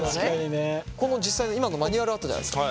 この実際の今のマニュアルあったじゃないですか。